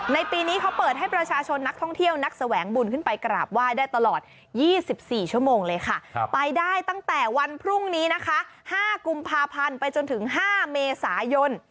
ปีนี้เขาเปิดให้ประชาชนนักท่องเที่ยวนักแสวงบุญขึ้นไปกราบไหว้ได้ตลอด๒๔ชั่วโมงเลยค่ะไปได้ตั้งแต่วันพรุ่งนี้นะคะ๕กุมภาพันธ์ไปจนถึง๕เมษายน